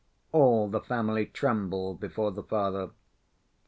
All the family trembled before the father.